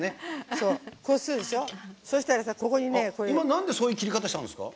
今、なんでそういう切り方をしたんですか？